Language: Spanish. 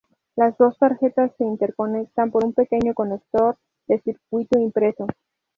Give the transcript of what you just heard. Las dos tarjetas se interconectan por un pequeño conector de circuito impreso.